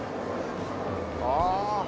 ああ。